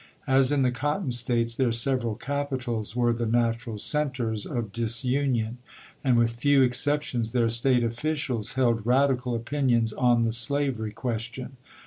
As in the Cotton States, their several capitals were the natural centers of disunion ; and, with few exceptions, their State officials held radical opinions on the slavery question.